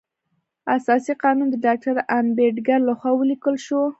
اساسي قانون د ډاکټر امبیډکر لخوا ولیکل شو.